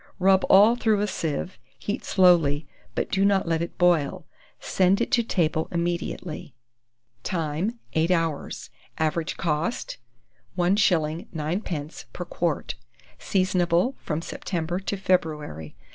Rub all through a sieve; heat slowly, but do not let it boil. Send it to table immediately. Time. 8 hours. Average cost, 1s. 9d. per quart. Seasonable from September to February.